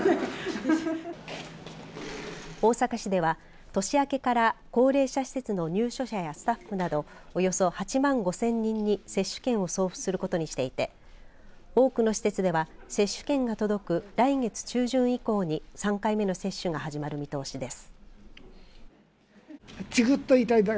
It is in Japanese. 大阪市では年明けから高齢者施設の入所者やスタッフなどおよそ８万５０００人に接種券を送付することにしていて多くの施設では接種券が届く来月中旬以降に３回目の接種が始まる見通しです。